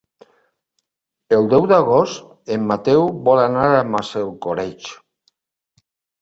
El deu d'agost en Mateu vol anar a Massalcoreig.